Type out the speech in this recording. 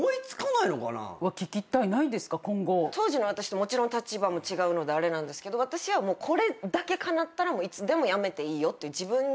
当時の私ともちろん立場も違うのであれですけど私はこれだけかなったらいつでも辞めていいよっていう。